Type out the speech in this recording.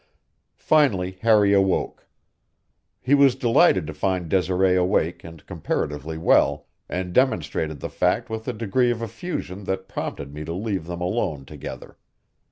Finally Harry awoke. He was delighted to find Desiree awake and comparatively well, and demonstrated the fact with a degree of effusion that prompted me to leave them alone together.